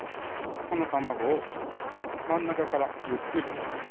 この卵を真ん中からゆっくりと混ぜます